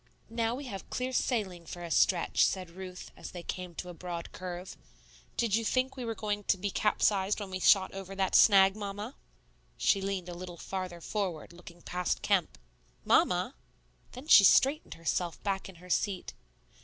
"Now we have clear sailing for a stretch," said Ruth, as they came to a broad curve. "Did you think you were going to be capsized when we shot over that snag, Mamma?" She leaned a little farther forward, looking past Kemp. "Mamma!" Then she straightened herself back in her seat.